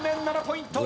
７ポイント。